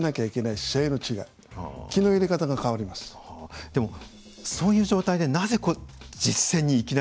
でもそういう状態でなぜ実戦にいきなりなんでしょうか。